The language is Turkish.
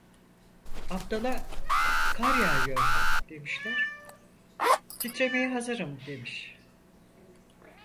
Abdala "kar yağıyor" demişler, "titremeye hazırım" demiş.